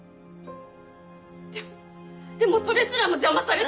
でもでもそれすらも邪魔されて。